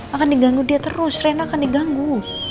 akan diganggu dia terus rein akan diganggu